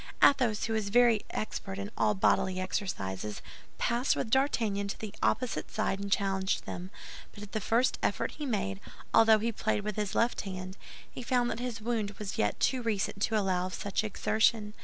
Athos, who was very expert in all bodily exercises, passed with D'Artagnan to the opposite side and challenged them; but at the first effort he made, although he played with his left hand, he found that his wound was yet too recent to allow of such exertion.